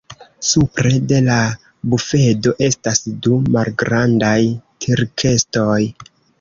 Supre de la bufedo estas du malgrandaj tirkestoj.